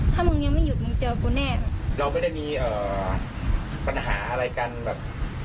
ถ้ามึงยังไม่หยุดมึงเจอกูแน่เราไม่ได้มีเอ่อปัญหาอะไรกันแบบ